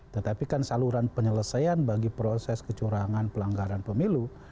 tetapi kan saluran penyelesaian bagi proses kecurangan pelanggaran pemilu